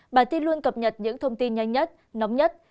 bản tin luôn cập nhật những thông tin nhanh nhất nóng nhất